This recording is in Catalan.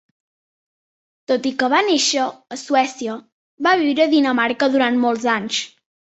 Tot i que va néixer a Suècia, va viure a Dinamarca durant molts anys.